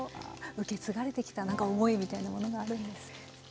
受け継がれてきたなんか思いみたいなものがあるんですね。